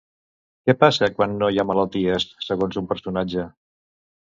Què passa, quan no hi ha malalties, segons un personatge?